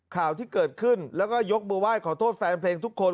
ข่าวที่เกิดขึ้นแล้วก็ยกมือไหว้ขอโทษแฟนเพลงทุกคน